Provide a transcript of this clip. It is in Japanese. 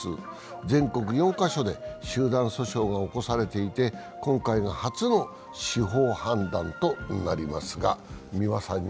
全国４か所で集団訴訟が起こされていて今回が初の司法判断となります。